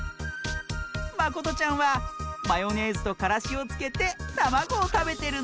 まことちゃんはマヨネーズとからしをつけてたまごをたべてるんだって！